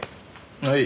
はい。